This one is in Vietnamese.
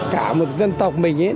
cả một dân tộc mình